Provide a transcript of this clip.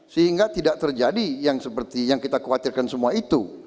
sehingga tidak terjadi yang seperti yang kita khawatirkan semua itu